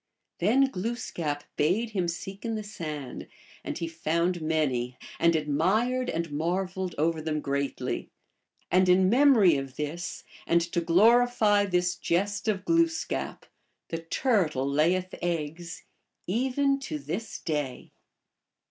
Then Glooskap bade him seek in the sand, and he found many, and admired and mar veled over them greatly ; and in memory of this, and to glorify this jest of Glooskap, the Turtle layeth eggs even to this day.